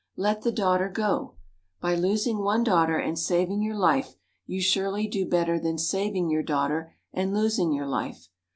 Let the daughter go. By losing one daughter and saving your life, you surely do better than saving your daughter and losing your life.